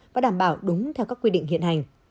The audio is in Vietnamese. và đảm bảo đúng theo các quy định hiện hành